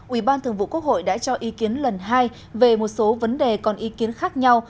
ủy ban thường vụ quốc hội đã cho ý kiến lần hai về một số vấn đề còn ý kiến khác nhau